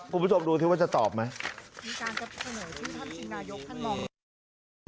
คุณผู้ชมดูบ์จะตอบไหม